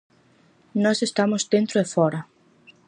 Nós estamos dentro e fóra.